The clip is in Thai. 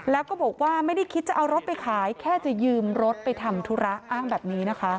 แล้วก็บอกว่าไม่ได้คิดจะเอารถไปขายแค่จะยืมรถไปทำธุระอ้างแบบนี้นะคะ